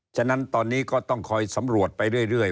ฉะนั้นตอนนี้ก็ต้องคอยสำรวจไปเรื่อย